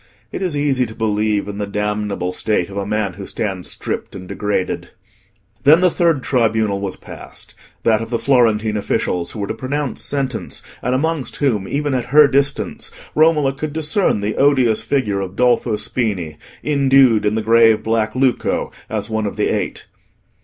It is easy to believe in the damnable state of a man who stands stripped and degraded. Then the third tribunal was passed—that of the Florentine officials who were to pronounce sentence, and amongst whom, even at her distance, Romola could discern the odious figure of Dolfo Spini, indued in the grave black lucco, as one of the Eight.